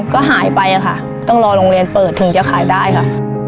ก็หายไปค่ะต้องรอโรงเรียนเปิดถึงจะขายได้ค่ะ